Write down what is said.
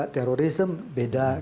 terorisme beda